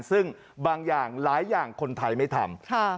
ซึ่งบางอย่างหลายอย่างคนไทยไม่ทำ